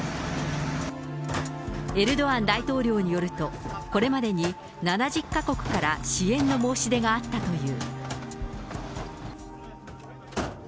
エルドアン大統領によると、これまでに７０か国から支援の申し出があったという。